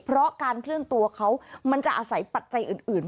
เพราะการเคลื่อนตัวเขามันจะอาศัยปัจจัยอื่น